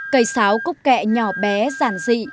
cây sáo cúc kẹ nhỏ bé giản dị